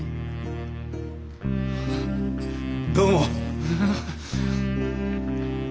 どうも。